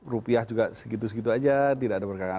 rupiah juga segitu segitu aja tidak ada berkaitan